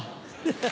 ハハハ。